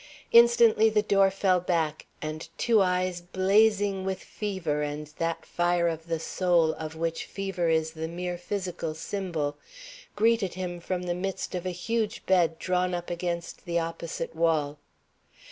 Instantly the door fell back, and two eyes blazing with fever and that fire of the soul of which fever is the mere physical symbol greeted him from the midst of a huge bed drawn up against the opposite wall.